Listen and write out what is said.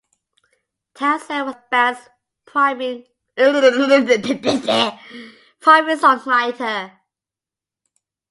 Townsend was the band's primary songwriter.